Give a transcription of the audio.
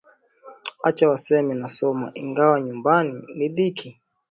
Acha waseme nasoma, ingawa nyumbani ni dhiki.